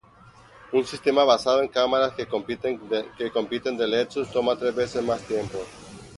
Un sistema basado en cámaras que compiten de Lexus toma tres veces más tiempo.